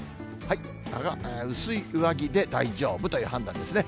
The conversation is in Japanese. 薄い上着で大丈夫という判断ですね。